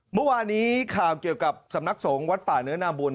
เมื่อวานี้ข่าวเกี่ยวกับสำนักสงฆ์วัดป่าเนื้อนาบุญ